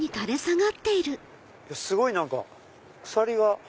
すごい何か鎖が。